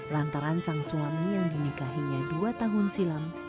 lantaran sang suami yang dinikahinya dua tahun silam